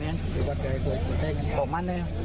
เจ้าหรือยังเจ้าหรือยัง